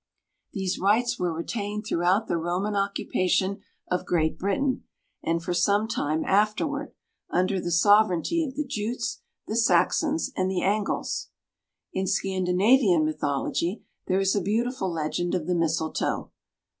These rites were retained throughout the Roman occupation of Great Britain, and for some time afterward, under the sovereignty of the Jutes, the Saxons, and the Angles. In Scandinavian mythology there is a beautiful legend of the mistletoe.